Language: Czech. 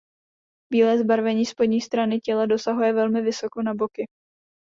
Bílé zbarvení spodní strany těla dosahuje velmi vysoko na boky.